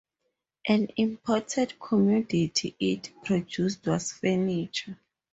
An important commodity it produced was furniture.